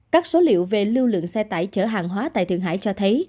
các số liệu về lưu lượng xe tải chở hàng hóa tại thượng hải cho thấy